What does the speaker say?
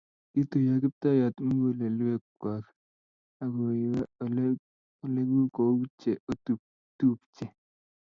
Kiituyio kiptayat mugulelwek kwok akuyeak oleku kou che otupche